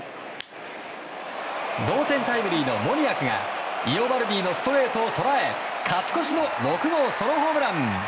同点タイムリーのモニアクがイオバルディのストレートを捉え勝ち越しの６号ソロホームラン。